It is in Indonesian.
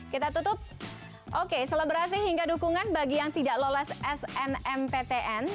kita tutup oke selebrasi hingga dukungan bagi yang tidak lolos snmptn